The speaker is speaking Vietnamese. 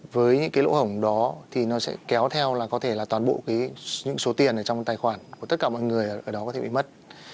với những lỗ hổng đó nó sẽ kéo theo toàn bộ số tiền trong tài khoản của tất cả mọi người có thể bị mất